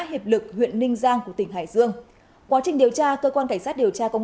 hiệp lực huyện ninh giang của tỉnh hải dương quá trình điều tra cơ quan cảnh sát điều tra công